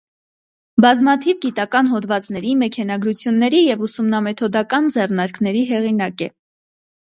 Բազմաթիվ գիտական հոդվածների, մենագրությունների և ուսումնամեթոդական ձեռնարկների հեղինակ է։